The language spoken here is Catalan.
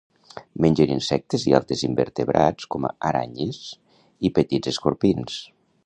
Mengen insectes i altres invertebrats com a aranyes i petits escorpins.